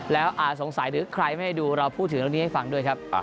แล้วสงสัยหรือใครไม่ให้ดูเราพูดถึงเรื่องนี้ให้ฟังด้วยครับ